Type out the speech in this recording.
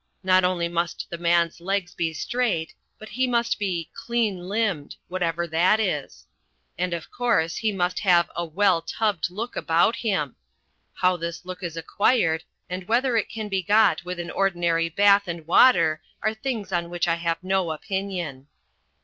Not only must The Man's legs be straight but he must be "clean limbed," whatever that is; and of course he must have a "well tubbed look about him." How this look is acquired, and whether it can be got with an ordinary bath and water are things on which I have no opinion.